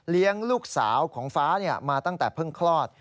ลูกสาวของฟ้ามาตั้งแต่เพิ่งคลอด